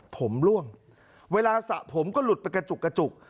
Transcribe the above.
ผมร่วงเวลาสระผมก็หลุดไปกระจุก